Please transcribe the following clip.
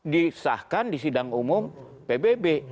disahkan di sidang umum pbb